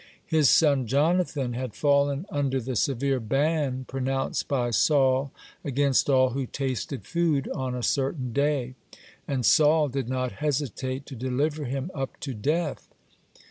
His son Jonathan had fallen under the severe ban pronounced by Saul against all who tasted food on a certain day, and Saul did not hesitate to deliver him up to death.